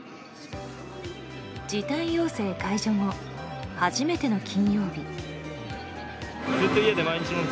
時短要請解除後初めての金曜日。